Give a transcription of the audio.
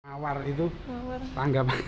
mawar itu tanggapan